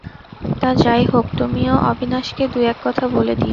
তা যাই হোক, তুমিও অবিনাশকে দুই-এক কথা বলে দিয়ো।